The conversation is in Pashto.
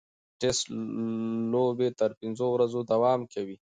ټېسټ لوبې تر پنځو ورځو دوام کوي.